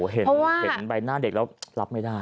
เห็นใบหน้าเด็กแล้วรับไม่ได้